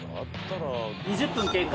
２０分経過。